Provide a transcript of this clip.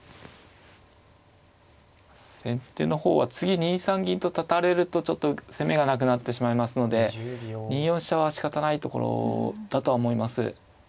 先手の方は次２三銀と立たれるとちょっと攻めがなくなってしまいますので２四飛車はしかたないところだとは思います。